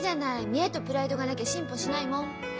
見えとプライドがなきゃ進歩しないもん！